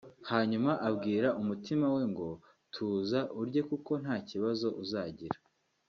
hanyuma abwira umutima we ngo tuza urye kuko nta kibazo uzagira